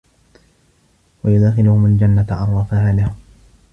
وَيُدخِلُهُمُ الجَنَّةَ عَرَّفَها لَهُم